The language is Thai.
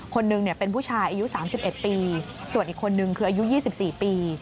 คนหนึ่งเป็นผู้ชายอายุ๓๑ปีส่วนอีกคนนึงคืออายุ๒๔ปี